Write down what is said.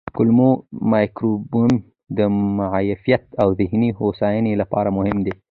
کولمو مایکروبیوم د معافیت او ذهني هوساینې لپاره مهم دی.